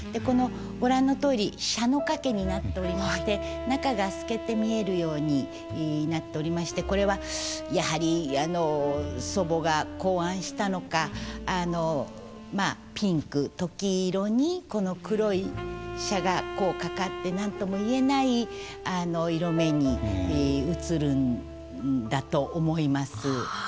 このご覧のとおり紗の掛になっておりまして中が透けて見えるようになっておりましてこれはやはり祖母が考案したのかまあピンク鴇色にこの黒い紗がこう掛かって何とも言えない色目に映るんだと思います。